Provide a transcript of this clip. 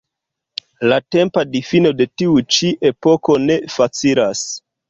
La tempa difino de tiu-ĉi epoko ne facilas.